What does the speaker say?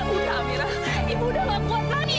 udah amira ibu udah gak kuat lagi